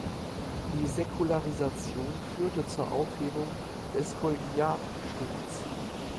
Die Säkularisation führte zur Aufhebung des Kollegiatstifts.